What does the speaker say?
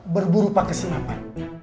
berburu pake sinapan